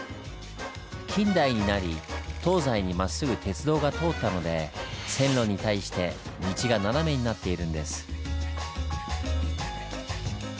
近代になり東西にまっすぐ鉄道が通ったので線路に対して道がナナメになっているんです。